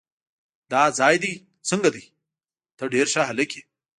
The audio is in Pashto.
دا ځای دې څنګه دی؟ ته ډېر ښه هلک یې.